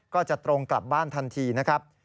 ก็จะตรงกลับบ้านทันทีนะครับ